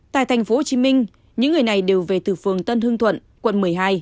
tại tp hcm những người này đều về từ phường tân hương thuận quận một mươi hai